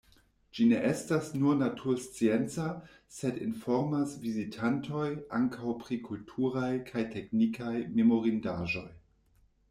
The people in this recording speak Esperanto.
Ĝi ne estas nur naturscienca, sed informas vizitantojn ankaŭ pri kulturaj kaj teknikaj memorindaĵoj.